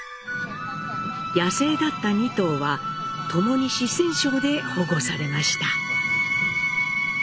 野生だった２頭はともに四川省で保護されました。